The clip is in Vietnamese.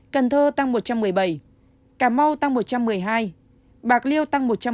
cần thơ tăng một trăm một mươi bảy cà mau tăng một trăm một mươi hai bạc liêu tăng một trăm một mươi